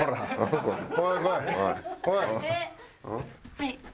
はい。